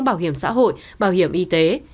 bảo hiểm xã hội bảo hiểm y tế